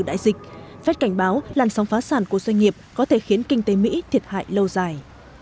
đại dịch fed cảnh báo làn sóng phá sản của doanh nghiệp có thể khiến kinh tế mỹ thiệt hại lâu dài